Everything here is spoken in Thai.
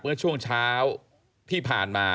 เมื่อช่วงเช้าที่ผ่านมา